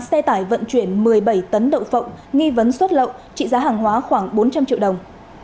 xe tải vận chuyển một mươi bảy tấn đậu phộng nghi vấn xuất lậu trị giá hàng hóa khoảng bốn trăm linh triệu đồng